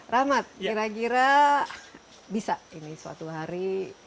rahmat kira kira bisa ini suatu hari